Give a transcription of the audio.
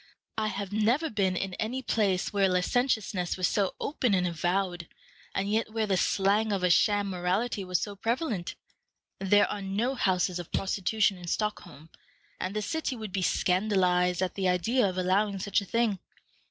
I have never been in any place where licentiousness was so open and avowed, and yet where the slang of a sham morality was so prevalent. There are no houses of prostitution in Stockholm, and the city would be scandalized at the idea of allowing such a thing.